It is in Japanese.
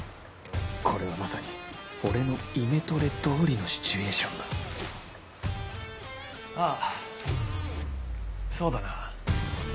これはまさに俺のイメトレ通りのシチュエーションだああそうだな。